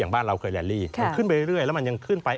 อย่างบ้านเราเคยรันลี่ขึ้นไปเรื่อยแล้วมันยังขึ้นไป